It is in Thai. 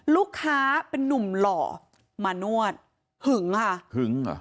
ลูกค้าเป็นนุ่มหล่อมานวดหึงค่ะหึงเหรอ